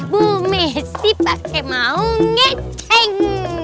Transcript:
bu mesit pake mau ngeceng